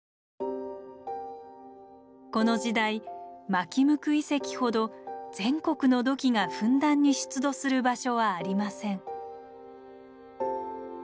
この時代纒向遺跡ほど全国の土器がふんだんに出土する場所はありません。